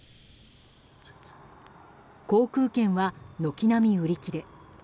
航空券は軒並み売り切れ。